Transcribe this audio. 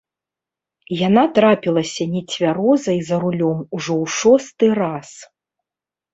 Яна трапілася нецвярозай за рулём ужо ў шосты раз.